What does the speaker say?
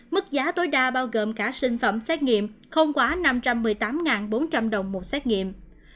mức giá tối đa bao gồm cả sinh phẩm xét nghiệm không quá năm trăm một mươi tám bốn trăm linh đồng một xét nghiệm